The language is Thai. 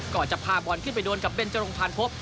ก่อนจะพาบอลขึ้นไปด้วยกับเบนเจรงพันภพ